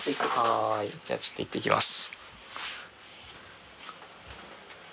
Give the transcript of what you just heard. じゃあちょっと行ってきます。